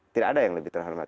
tidak ada yang lebih terhormat